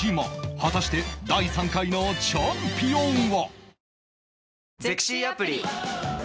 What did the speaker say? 果たして第３回のチャンピオンは？